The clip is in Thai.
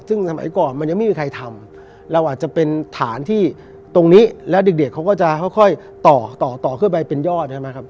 ซึ่งสมัยก่อนมันยังไม่มีใครทำเราอาจจะเป็นฐานที่ตรงนี้แล้วเด็กเขาก็จะค่อยต่อต่อต่อขึ้นไปเป็นยอดใช่ไหมครับ